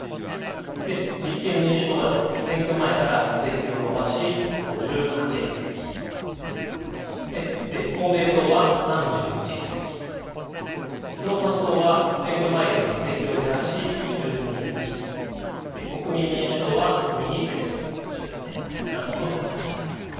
立憲民主党は選挙前から議席を伸ばし５８議席、公明党は３１議席、共産党は選挙前より議席を減らし１２議席、国民民主党は２議席などとなりました。